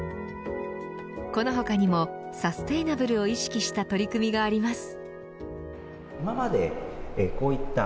この他にもサステイナブルを意識した取り組みがあります。